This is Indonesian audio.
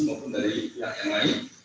maupun dari pihak yang lain